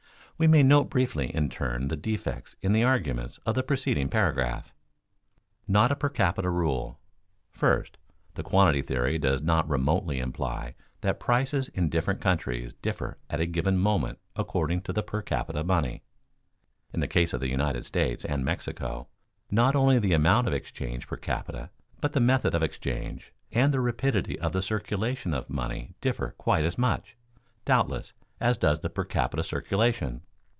We may note briefly in turn the defects in the arguments of the preceding paragraph. [Sidenote: Not a per capita rule] First, the quantity theory does not remotely imply that prices in different countries differ at a given moment according to the per capita money. In the case of the United States and Mexico not only the amount of exchange per capita but the method of exchange, and the rapidity of the circulation of money differ quite as much, doubtless, as does the per capita circulation.